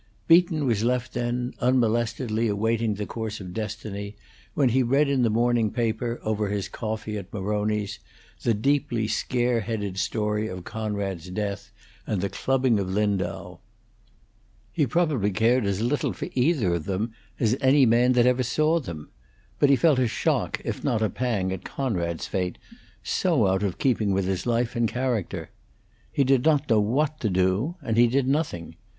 Beaton was left, then, unmolestedly awaiting the course of destiny, when he read in the morning paper, over his coffee at Maroni's, the deeply scare headed story of Conrad's death and the clubbing of Lindau. He probably cared as little for either of them as any man that ever saw them; but he felt a shock, if not a pang, at Conrad's fate, so out of keeping with his life and character. He did not know what to do; and he did nothing.